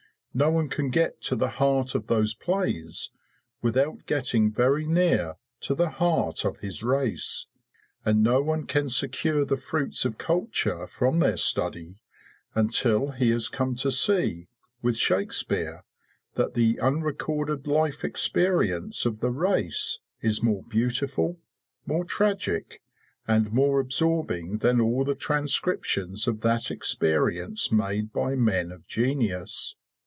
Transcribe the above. No one can get to the heart of those plays without getting very near to the heart of his race; and no one can secure the fruits of culture from their study until he has come to see, with Shakespeare, that the unrecorded life experience of the race is more beautiful, more tragic, and more absorbing than all the transcriptions of that experience made by men of genius.